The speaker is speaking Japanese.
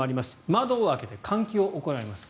窓を開けて換気を行います。